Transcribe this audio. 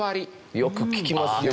よく聞きますよこれ。